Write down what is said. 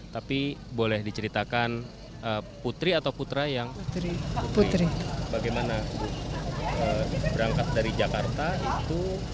tapi boleh diceritakan putri atau putra yang bagaimana berangkat dari jakarta itu